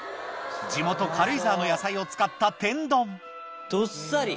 地元軽井沢の野菜を使った天丼どっさり！